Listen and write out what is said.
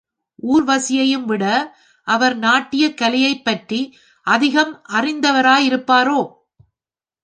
ஊர்வசியையும் விட அவர் நாட்டியக் கலையைப் பற்றி அதிகம் அறிந்தவராயிருப்பாரோ?